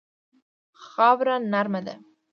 خاوره نرمه ده.